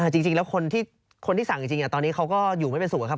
จริงแล้วคนที่สั่งจริงตอนนี้เขาก็อยู่ไม่เป็นสูตรครับ